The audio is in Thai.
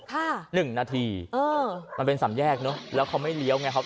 ค่ะหนึ่งนาทีเออมันเป็นสามแยกเนอะแล้วเขาไม่เลี้ยวไงครับ